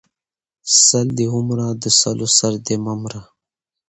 سل دې ومره د سلو سر دې مه مره!